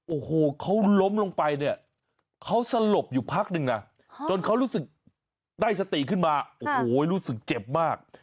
โอ้โหเขาล้มลงไปเนี่ยเขาสลบอยู่พักนึงนะจนเขารู้สึกได้สติขึ้นมาโอ้โหรู้สึกเจ็บมาก